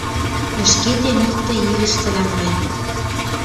Ӹшкетем иктӹ илӹштӹлӓм мӹнь.